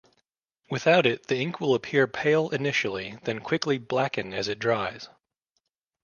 Without it, the ink will appear pale initially then quickly blacken as it dries.